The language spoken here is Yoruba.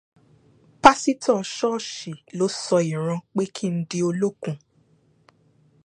Pásítọ̀ ṣọ́ọ̀ṣì ló sọ ìran pé kí n di Olókun.